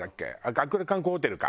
赤倉観光ホテルか。